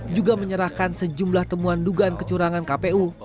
juga menyerahkan sejumlah temuan dugaan kecurangan kpu